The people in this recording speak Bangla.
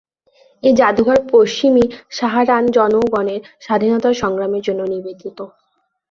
এই যাদুঘর পশ্চিমী সাহারান জনগণের স্বাধীনতা সংগ্রামের জন্য নিবেদিত।